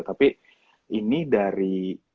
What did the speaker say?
tapi ini dari